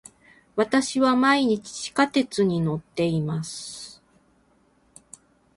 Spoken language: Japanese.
私は毎日地下鉄に乗っています。